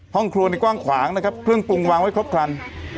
ห้องครัวในกว้างขวางนะครับเครื่องปรุงวางไว้ครบครัน